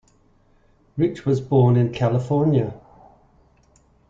Rich was born in California.